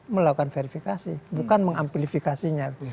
melakukan verifikasi bukan mengamplifikasinya